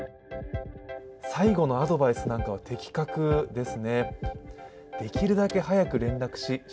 最後のアドバイスなんかは的確ですね。